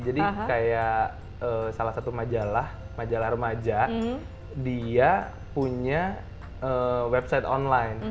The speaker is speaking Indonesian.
jadi kayak salah satu majalah majalah remaja dia punya website online